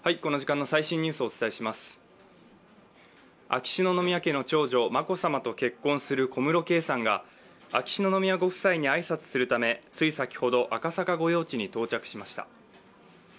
秋篠宮家の長女・眞子さまと結婚する小室圭さんが秋篠宮ご夫妻に挨拶するためつい先ほど、赤坂御用地に到着しました。